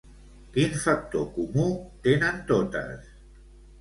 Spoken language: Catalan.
Quin factor comú tenen totes?